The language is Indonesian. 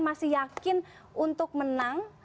masih yakin untuk menang